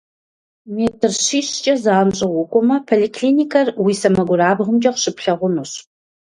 Метр щищкӏэ занщӏэу укӏуэмэ, поликлиникэр уи сэмэгурабгъумкӏэ къыщыплъагъунущ.